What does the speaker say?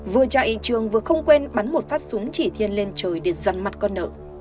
vừa chạy trường vừa không quên bắn một phát súng chỉ thiên lên trời để dặn mặt con nợ